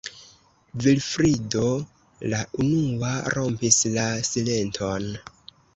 Vilfrido la unua rompis la silenton.